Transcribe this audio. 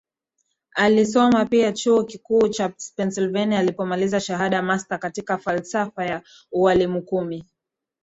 Alisoma pia Chuo Kikuu cha Pennsylvania alipomaliza shahada master katika falsafa na ualimukumi